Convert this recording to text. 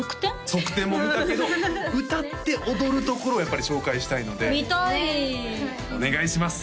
側転も見たけど歌って踊るところをやっぱり紹介したいので見たいお願いします